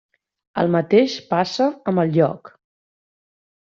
El mateix passa amb el lloc.